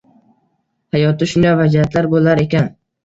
Hayotda shunday vaziyatlar boʻlar ekan.